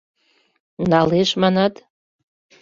Налеш, манат?